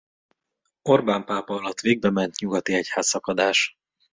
Orbán pápa alatt végbement nyugati egyházszakadás.